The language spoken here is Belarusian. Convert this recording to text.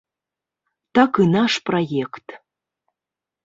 Так і наш праект.